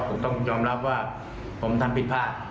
ผมต้องยอมรับว่าผมทำผิดพลาด